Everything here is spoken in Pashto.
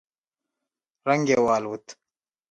رنگ يې والوت.